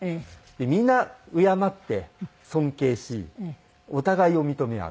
みんな敬って尊敬しお互いを認め合う。